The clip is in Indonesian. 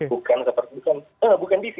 bukan seperti bukan dc